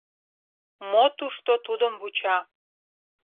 Мо тушто тудым вуча?